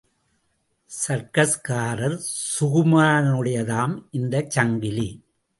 சர்க்கஸ்காரர் சுகுமாரனுடையதாம் இந்தச் சங்கிலி!